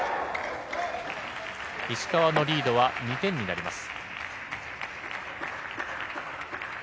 石川のリードは２点になります。